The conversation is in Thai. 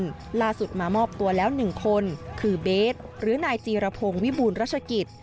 ภาพราสุดมามอบตัวแล้วหนึ่งคนคือเบสหรือนายจีระโพงวิบูรรชกิจ